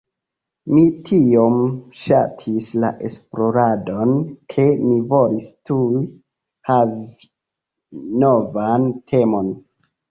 Mi tiom ŝatis la esploradon, ke mi volis tuj havi novan temon.